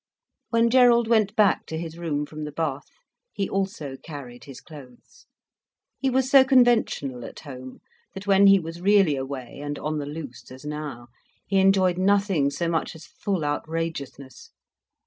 When Gerald went back to his room from the bath, he also carried his clothes. He was so conventional at home, that when he was really away, and on the loose, as now, he enjoyed nothing so much as full outrageousness.